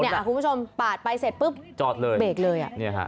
เนี่ยคุณผู้ชมปาดไปเสร็จปุ๊บเบรกเลย